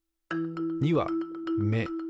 ２は「め」